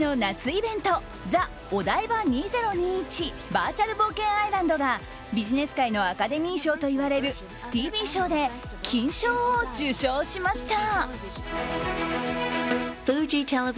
バーチャル冒険アイランド」がビジネス界のアカデミー賞といわれるスティービー賞で金賞を受賞しました。